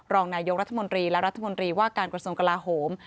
รองนายกรัฐมนตรีและรัฐมนตรีว่าการกระทรวงกลาโหม